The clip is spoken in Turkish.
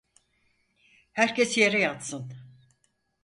Herkes yere yatsın!